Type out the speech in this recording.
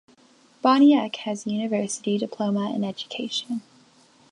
Boniek has a University diploma in education.